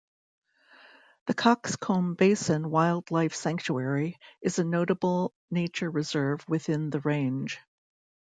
The Cockscomb Basin Wildlife Sanctuary is a notable nature reserve within the range.